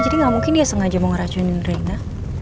jadi gak mungkin dia sengaja mau ngeracunin rena